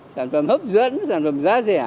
sản phẩm hấp dẫn sản phẩm giá rẻ